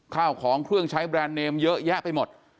ข้าวของเครื่องใช้แบรนด์เนมเยอะแยะไปหมด